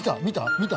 見た？